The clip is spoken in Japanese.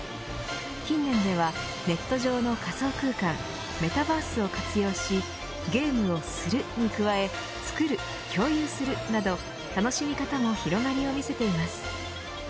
近年ではネット上の仮想空間メタバースを活用しゲームをする、に加え作る、共有するなど楽しみ方も広がりを見せています。